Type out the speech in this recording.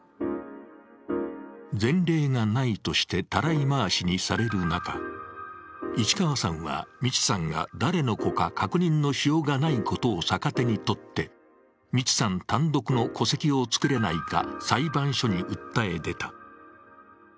前例がないとしてたらい回しにされる中、市川さんはミチさんが誰の子か確認のしようがないことを逆手に取って、ミチさん単独の戸籍を作れないか裁判所に訴え出た。